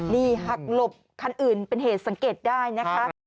นี่หักหลบคันอื่นเป็นเหตุสังเกตได้นะคะ